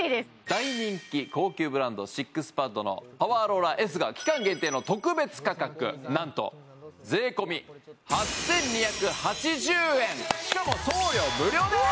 大人気高級ブランドＳＩＸＰＡＤのパワーローラーＳが期間限定の特別価格なんと税込８２８０円しかも送料無料です！